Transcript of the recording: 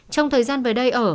trong thời gian về đây ở